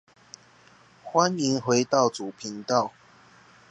歡迎回到主頻道